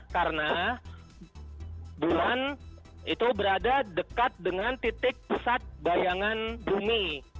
karena bulan itu berada dekat dengan titik pesat bayangan bumi